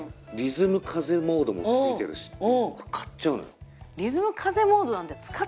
リズム風モードも付いてるし買っちゃうのよ